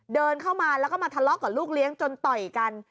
เดินเข้ามาแล้วก็มาทะเลาะกับลูกเลี้ยงจนต่อยกัน